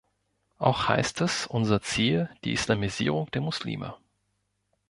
Auch heißt es: „Unser Ziel: die Islamisierung der Muslime.